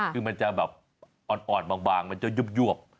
คือมันจะแบบอ่อนบางมันจะยวบ